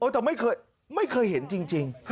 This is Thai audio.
แต่ไม่เคยเห็นจริง